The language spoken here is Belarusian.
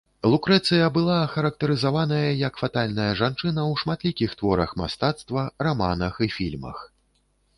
Лукрэцыя была ахарактарызаваная як фатальная жанчына ў шматлікіх творах мастацтва, раманах і фільмах.